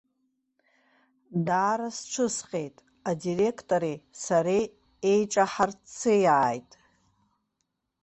Даара сҽысҟьеит, адиреқтори сареи еиҿаҳарццеиааит.